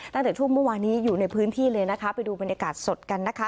ตั้งแต่ช่วงเมื่อวานนี้อยู่ในพื้นที่เลยนะคะไปดูบรรยากาศสดกันนะคะ